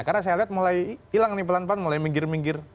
karena saya lihat mulai hilang nih pelan pelan mulai minggir minggir